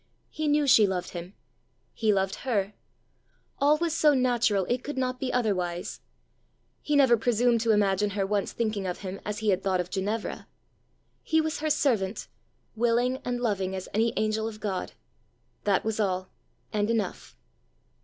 He knew she loved him; he loved her; all was so natural it could not be otherwise: he never presumed to imagine her once thinking of him as he had thought of Ginevra. He was her servant, willing and loving as any angel of God: that was all and enough!